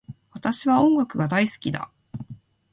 私は音楽が大好きだ